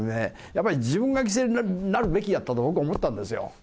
やっぱり自分が犠牲になるべきやと、僕は思ったんですよ。